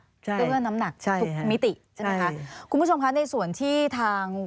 ซึ่งเมื่อน้ำหนักใช่ทุกมิติใช่ไหมคะคุณผู้ชมคะในส่วนที่ทาง